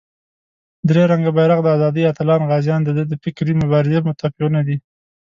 درې رنګه بېرغ، د آزادۍ اتلان، غازیان دده د فکري مبارزې موتیفونه دي.